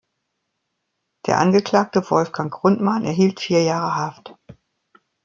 Der Angeklagte Wolfgang Grundmann erhielt vier Jahre Haft.